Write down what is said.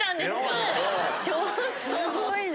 すごいな。